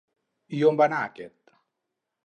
I on va anar aquest?